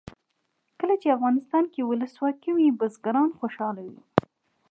کله چې افغانستان کې ولسواکي وي بزګران خوشحاله وي.